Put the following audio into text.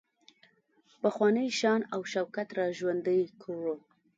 پخوانی شان او شوکت را ژوندی کړو.